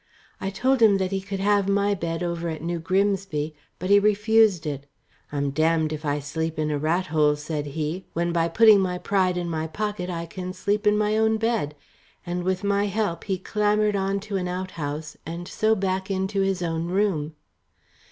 I told him that he could have my bed over at New Grimsby, but he refused it. 'I'm damned if I sleep in a rat hole,' he said, 'when by putting my pride in my pocket I can sleep in my own bed; and with my help he clambered on to an outhouse, and so back into his own room."